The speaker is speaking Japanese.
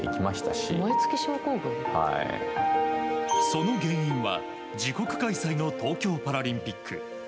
その原因は自国開催の東京パラリンピック。